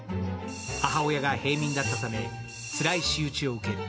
母親が平民だったため、つらい仕打ちを受ける。